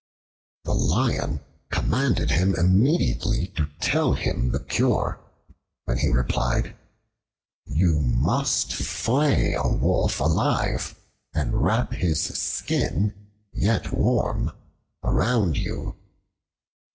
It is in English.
The Lion commanded him immediately to tell him the cure, when he replied, "You must flay a wolf alive and wrap his skin yet warm around you."